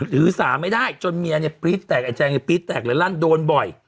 หรือสาไม่ได้จนเมียเนี่ยปรี๊ดแตกไอแจงเนี่ยปรี๊ดแตกเลยลั่นโดนบ่อย